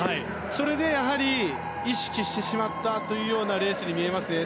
それで、意識してしまったというようなレースに見えますね。